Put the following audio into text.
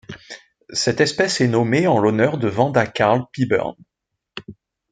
Cette espèce est nommée en l'honneur de Wanda Carl Pyburn.